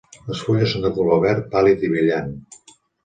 Les fulles són de color verd pàl·lid i brillant.